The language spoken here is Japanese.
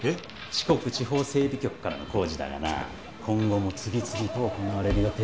四国地方整備局からの工事だがな今後も次々と行われる予定だ。